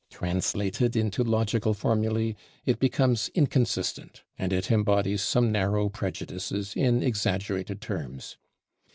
Translated into logical formulæ it becomes inconsistent, and it embodies some narrow prejudices in exaggerated terms.